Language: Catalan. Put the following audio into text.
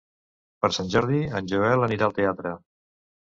Per Sant Jordi en Joel anirà al teatre.